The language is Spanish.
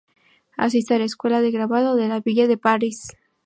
Asiste a la Escuela de Grabado de La Ville de Paris.